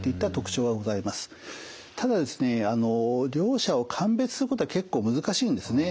ただですね両者を鑑別することは結構難しいんですね。